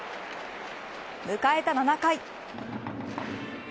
迎えた７回。